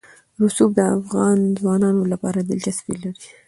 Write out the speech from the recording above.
رسوب د افغان ځوانانو لپاره دلچسپي لري.